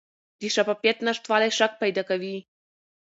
د شفافیت نشتوالی شک پیدا کوي